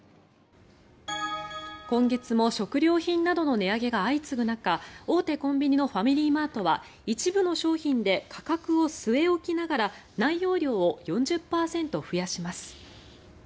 今月も食料品などの値上げが相次ぐ中大手コンビニのファミリーマートは一部の商品で価格を据え置きながら内容量を４０％増やします。